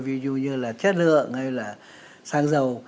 ví dụ như là chất lượng hay là xăng dầu